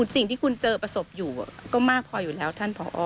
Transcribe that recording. สิ่งที่คุณเจอประสบอยู่ก็มากพออยู่แล้วท่านผอ